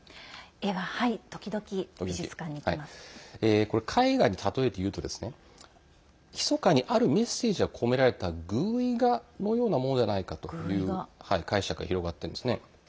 絵画に例えていうと、ひそかにあるメッセージが込められた寓意画のようなものではないかという解釈が広がっているんです。